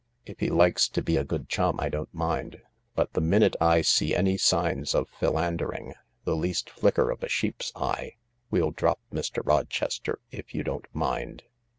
If he likes to be a good chum I don't mind, but the minute I see any signs of philandering, the least flicker of a sheep's eye, we'll drop Mr. Rochester, if you don't mind."